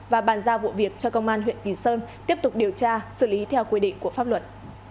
và bàn giao vụ việc cho công an huyện kỳ sơn tiếp tục điều tra xử lý theo quy định của pháp luật